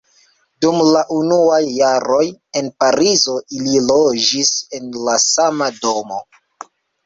Dum la unuaj jaroj en Parizo ili loĝis en la sama domo.